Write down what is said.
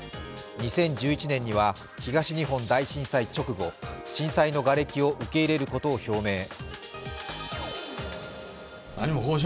２０１１年には東日本大震災直後、震災のがれきを受け入れることを表明。